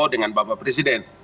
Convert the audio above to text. dengan bapak presiden